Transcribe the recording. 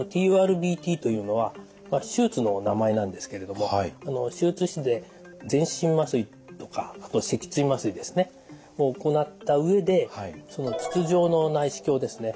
ＴＵＲＢＴというのは手術の名前なんですけれども手術室で全身麻酔とか脊椎麻酔ですね。を行った上で筒状の内視鏡ですね。